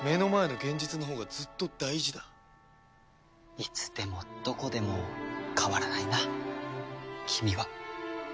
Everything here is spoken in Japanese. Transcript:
いつでもどこでも変わらないな君は。